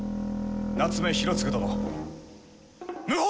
夏目広次殿謀反！